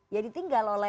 ya ditinggal oleh